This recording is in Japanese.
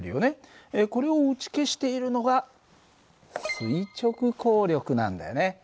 これを打ち消しているのが垂直抗力なんだよね。